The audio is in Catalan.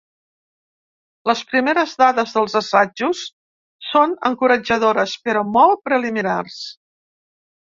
Les primeres dades dels assajos són encoratjadores però molt preliminars.